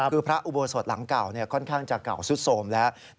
คือพระอุโบสถหลังเก่าค่อนข้างจะเก่าสุดโสมแล้ว